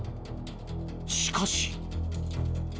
しかし。